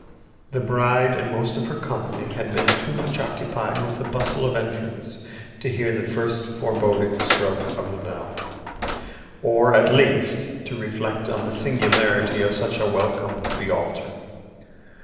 The bride and most of her company had been too much occupied with the bustle of entrance to hear the first boding stroke of the bell—or, at least, to reflect on the singularity of such a welcome to the altar.